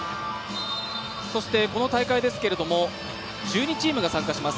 そしてこの大会ですけれども１２チームが参加します。